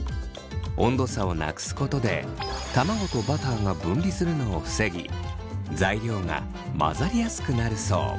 温度差をなくすことで卵とバターが分離するのを防ぎ材料が混ざりやすくなるそう。